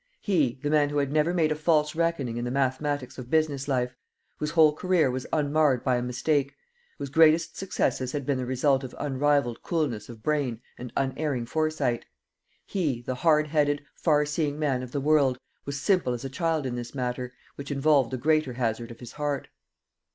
He the man who had never made a false reckoning in the mathematics of business life whose whole career was unmarred by a mistake whose greatest successes had been the result of unrivalled coolness of brain and unerring foresight he, the hard headed, far seeing man of the world was simple as a child in this matter, which involved the greater hazard of his heart.